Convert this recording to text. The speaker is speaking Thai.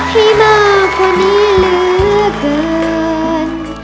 ให้มากกว่านี้เหลือเกิน